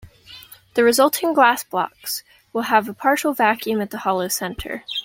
The resulting glass blocks will have a partial vacuum at the hollow centre.